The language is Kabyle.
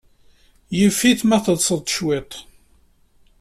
Yif-it ma teḍḍsed cwiṭ.